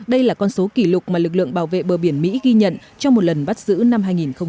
đây là con số kỷ lục mà lực lượng bảo vệ bờ biển mỹ ghi nhận trong một lần bắt giữ năm hai nghìn một mươi bảy